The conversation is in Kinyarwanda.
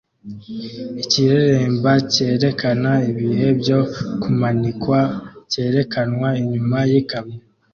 Ikireremba cyerekana ibihe byo kumanikwa cyerekanwa inyuma yikamyo